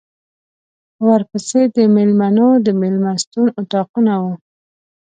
ورپسې د مېلمنو د مېلمستون اطاقونه وو.